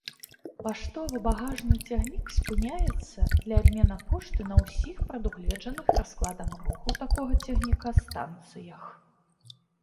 Паштова-багажны цягнік спыняецца для абмена пошты на ўсіх прадугледжаных раскладам руху такога цягніка станцыях.